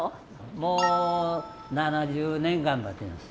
もう７０年頑張ってます。